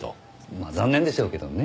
まあ残念でしょうけどね。